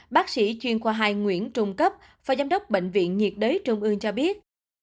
bác sĩ chuyên khoa hai nguyễn trung cấp phó giám đốc bệnh viện nhiệt đới trung ương cho biết